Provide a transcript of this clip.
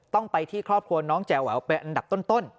ต้องไปที่ครอบครัวน้องแจ๋แหววเป็นอันดับต้น